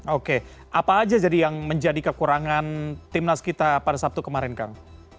oke apa aja jadi yang menjadi kekurangan timnas kita pada sabtu kemarin kang